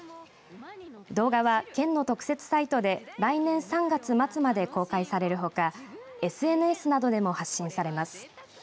動画は県の特設サイトで来年３月末まで公開されるほかＳＮＳなどでも発信されます。